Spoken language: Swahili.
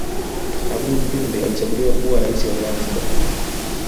abooud jumbe alichaguliwa kuwa rais wa zanzibar